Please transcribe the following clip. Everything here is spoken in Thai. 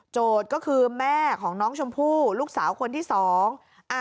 โจทย์ก็คือแม่ของน้องชมพู่ลูกสาวคนที่สอง